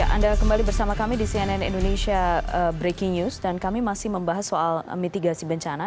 anda kembali bersama kami di cnn indonesia breaking news dan kami masih membahas soal mitigasi bencana